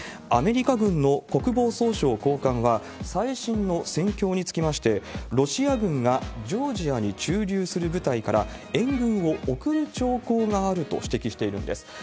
アメリカ軍の国防総省高官は、最新の戦況につきまして、ロシア軍がジョージアに駐留する部隊から援軍を送る兆候があると指摘しているんです。